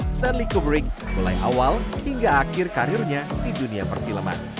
stanley cobreak mulai awal hingga akhir karirnya di dunia perfilman